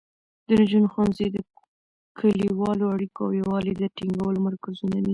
د نجونو ښوونځي د کلیوالو اړیکو او یووالي د ټینګولو مرکزونه دي.